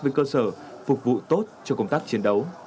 với cơ sở phục vụ tốt cho công tác chiến đấu